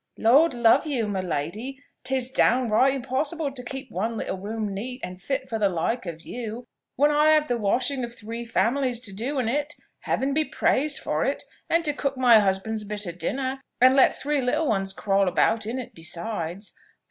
"Lord love you, my lady! 'tis downright unpossible to keep one little room neat, and fit for the like of you, when I have the washing of three families to do in it. Heaven be praised for it! and to cook my husband's bit of dinner, and let three little ones crawl about in it, besides."